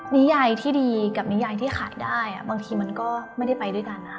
นิยายที่ดีกับนิยายที่ขายได้บางทีมันก็ไม่ได้ไปด้วยกันนะคะ